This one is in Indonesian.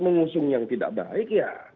mengusung yang tidak baik ya